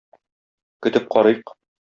Көтеп карыйк.